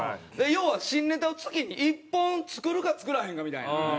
要は新ネタを月に１本作るか作らへんかみたいな。